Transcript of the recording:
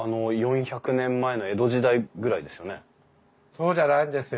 そうじゃないんですよ。